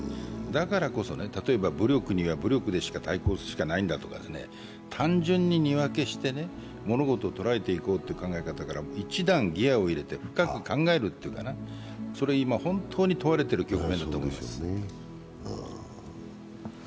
だからこそ、例えば武力には武力による対抗しかないんだとか、単純に二分けして物事を捉えていこうという考え方から一段ギヤを入れて深く考えるというかな、それが今、本当に問われている局面だと思います。